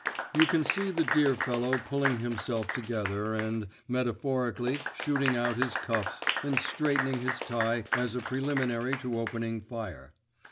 You can see the dear fellow pulling himself together and, metaphorically, shooting out his cuffs and straightening his tie as a preliminary to opening fire.